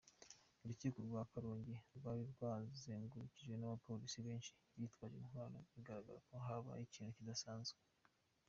Urukiko rwa Karongi rwari rwazengurukijwe abapolisi benshi bitwaje intwaro, bigaragara ko habaye ikintu kidasanzwe.